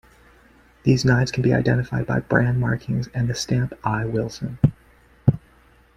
These knives can be identified by brand markings and the stamp I. Wilson.